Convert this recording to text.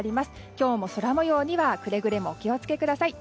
今日も空模様にはくれぐれもお気をつけください。